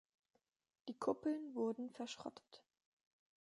Die Kuppeln wurden verschrottet.